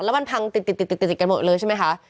แล้วมันพังติดกันหมดเลยใช่ไหมคะ